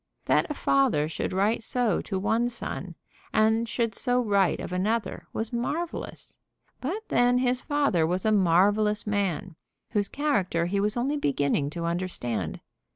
That a father should write so to one son, and should so write of another, was marvellous. But then his father was a marvellous man, whose character he was only beginning to understand.